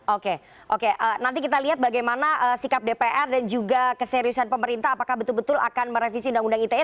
oke oke nanti kita lihat bagaimana sikap dpr dan juga keseriusan pemerintah apakah betul betul akan merevisi undang undang ite